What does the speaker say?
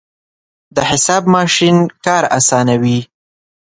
د حساب ماشین کار اسانوي.